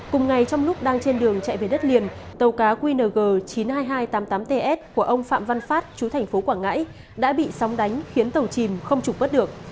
cùng ngày trong lúc đang trên đường chạy về đất liền tàu cá qng chín mươi hai nghìn hai trăm tám mươi tám ts của ông phạm văn phát chú thành phố quảng ngãi đã bị sóng đánh khiến tàu chìm không trục bất được